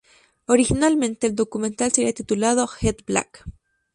Originalmente el documental sería titulado "Get Back".